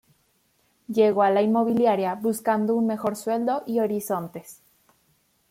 Llegó a la inmobiliaria buscando un mejor sueldo y horizontes.